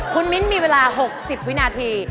คุณมิ้นมีเวลา๖๐วินาที